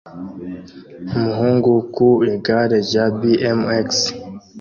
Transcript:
Umuhungu ku igare rya BMX